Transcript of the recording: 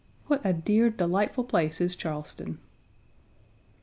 What a dear, delightful place is Charleston!